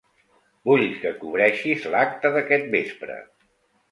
Vull que cobreixis l'acte d'aquest vespre.